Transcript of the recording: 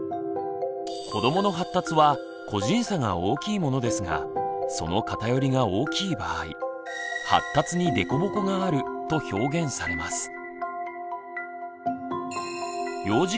子どもの発達は個人差が大きいものですがその偏りが大きい場合「発達に凸凹がある」と表現されます。